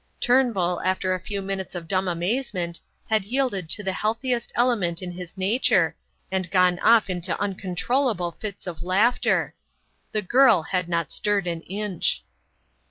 Turnbull, after a few minutes of dumb amazement, had yielded to the healthiest element in his nature and gone off into uncontrollable fits of laughter. The girl had not stirred an inch.